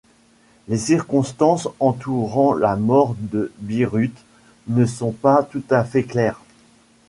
Les circonstances entourant la mort de Birutė ne sont pas tout à fait claires.